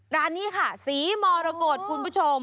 ร้านนี้ค่ะศรีมรกฏคุณผู้ชม